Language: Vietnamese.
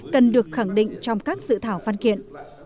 cần được khẳng định trong các dự thảo văn kiện